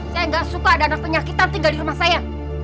saya nggak suka ada anak penyakitan tinggal di rumah saya